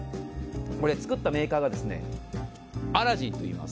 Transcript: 作ったメーカーがアラジンといいます。